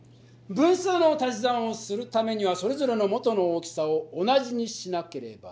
分数のたし算をするためにはそれぞれの元の大きさを同じにしなければいけない。